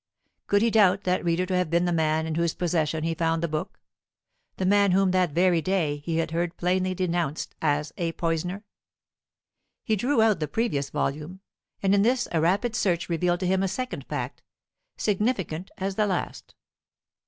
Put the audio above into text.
Could he doubt that reader to have been the man in whose possession he found the book, the man whom that very day he had heard plainly denounced as a poisoner? He drew out the previous volume, and in this a rapid search revealed to him a second fact, significant as the last.